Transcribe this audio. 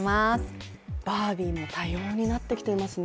バービーも多様になってきていますね。